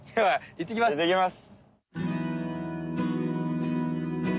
いってきます！